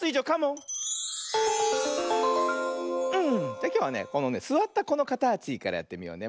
じゃきょうはねこのねすわったこのかたちからやってみようね。